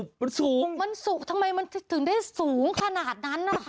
มันสูงมันสูงทำไมมันถึงได้สูงขนาดนั้นนะคะ